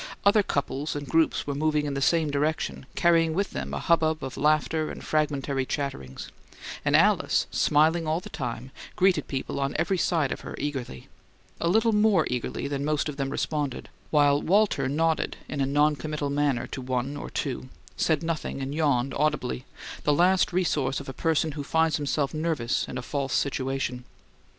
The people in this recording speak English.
Other couples and groups were moving in the same direction, carrying with them a hubbub of laughter and fragmentary chatterings; and Alice, smiling all the time, greeted people on every side of her eagerly a little more eagerly than most of them responded while Walter nodded in a noncommittal manner to one or two, said nothing, and yawned audibly, the last resource of a person who finds himself nervous in a false situation.